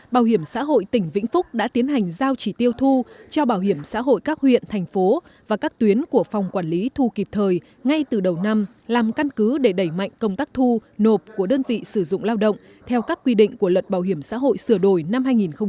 bảo hiểm xã hội tỉnh vĩnh phúc đã tiến hành giao chỉ tiêu thu cho bảo hiểm xã hội các huyện thành phố và các tuyến của phòng quản lý thu kịp thời ngay từ đầu năm làm căn cứ để đẩy mạnh công tác thu nộp của đơn vị sử dụng lao động theo các quy định của luật bảo hiểm xã hội sửa đổi năm hai nghìn một mươi bốn